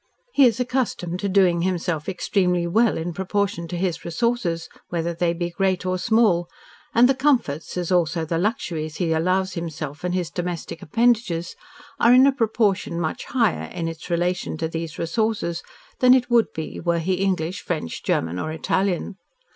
He is accustomed to doing himself extremely well in proportion to his resources, whether they be great or small, and the comforts, as also the luxuries, he allows himself and his domestic appendages are in a proportion much higher in its relation to these resources than it would be were he English, French, German, or Italians.